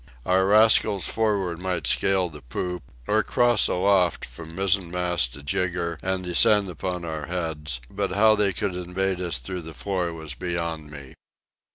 Our rascals for'ard might scale the poop; or cross aloft from mizzenmast to jigger and descend upon our heads; but how they could invade us through the floor was beyond me.